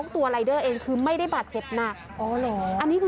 แต่หลุมมันใหญ่มากนะพี่ปอล์